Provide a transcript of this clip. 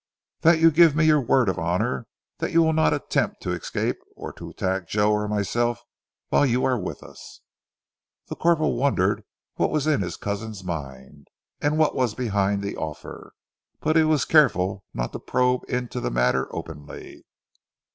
"That you give me your word of honour that you will not attempt to escape or to attack Joe or myself whilst you are with us." The corporal wondered what was in his cousin's mind and what was behind the offer, but he was careful not to probe into the matter openly.